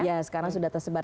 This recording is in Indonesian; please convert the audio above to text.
ya sekarang sudah tersebar